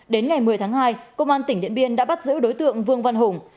đến ngày một mươi tháng hai công an tỉnh điện biên đã bắt giữ đối tượng vương văn hùng